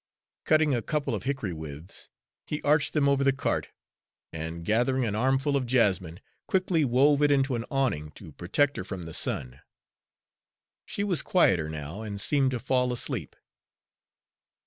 Cutting a couple of hickory withes, he arched them over the cart, and gathering an armful of jessamine quickly wove it into an awning to protect her from the sun. She was quieter now, and seemed to fall asleep.